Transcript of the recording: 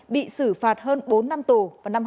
bị xử phạt hơn bốn năm tù vào năm hai nghìn một mươi